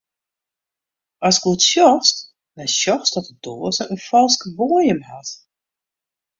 Ast goed sjochst, dan sjochst dat de doaze in falske boaiem hat.